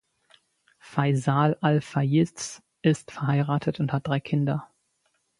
Faisal al-Fayiz ist verheiratet und hat drei Kinder.